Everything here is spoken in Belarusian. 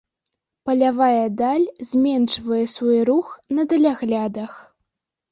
Палявая даль зменшвае свой рух на даляглядах.